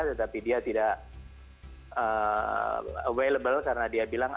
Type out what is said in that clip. tetapi dia tidak available karena dia bilang ada